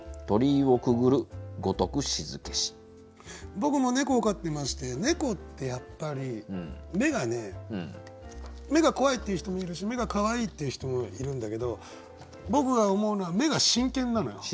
僕も猫を飼ってまして猫ってやっぱり目がね目が怖いっていう人もいるし目がかわいいっていう人もいるんだけど僕が思うのは目が真剣なのよ。